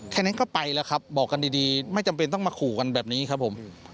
แค่นั้นก็ไปแล้วครับบอกกันดีไม่จำเป็นต้องมาขู่กันแบบนี้ครับผม